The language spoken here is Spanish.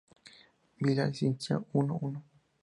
Bilal insistía, "Uno, uno!